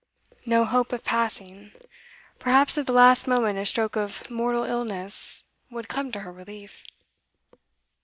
No hope of 'passing.' Perhaps at the last moment a stroke of mortal illness would come to her relief.